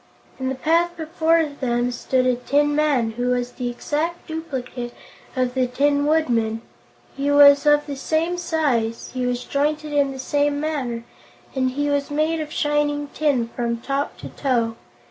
In the path before them stood a tin man who was the exact duplicate of the Tin Woodman. He was of the same size, he was jointed in the same manner, and he was made of shining tin from top to toe.